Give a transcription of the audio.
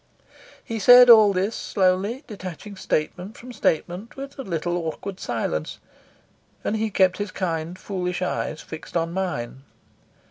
He said all this slowly, detaching statement from statement with a little awkward silence, and he kept his kind, foolish eyes fixed on mine.